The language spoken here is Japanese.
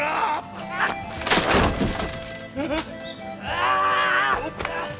ああ。